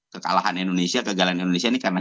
kekalahan indonesia kegagalan indonesia ini karena